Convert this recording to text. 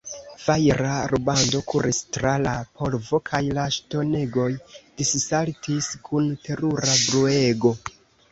Fajra rubando kuris tra la polvo, kaj la ŝtonegoj dissaltis kun terura bruego.